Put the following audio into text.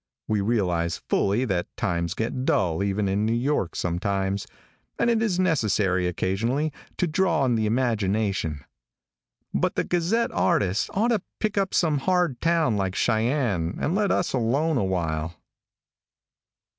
We realize fully that times get dull even in New York sometimes, and it is necessary, occasionally, to draw on the imagination, but the Gazette artist ought to pick up some hard town like Cheyenne, and let us alone awhile.